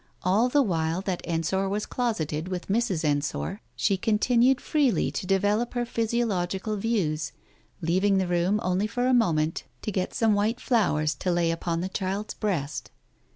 All the while that Ensor was closeted with Mrs. Ensor she continued freely to develop her physiological views, leav ing the room, only for a moment, to get some white Digitized by Google THE TIGER SKIN 317 flowers to lay upon the child's breast.